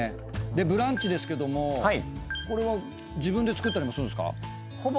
ブランチですけどもこれは自分で作ったりもするんですか？